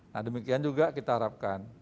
nah demikian juga kita harapkan